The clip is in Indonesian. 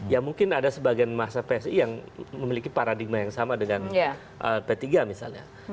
ya mungkin ada sebagian masa psi yang memiliki paradigma yang sama dengan p tiga misalnya